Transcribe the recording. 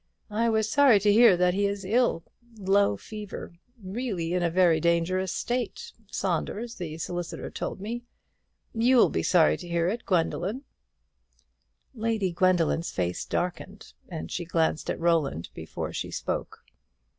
I was sorry to hear that he is ill. Low fever really in a very dangerous state, Saunders the solicitor told me. You'll be sorry to hear it, Gwendoline." Lady Gwendoline's face darkened, and she glanced at Roland, before she spoke.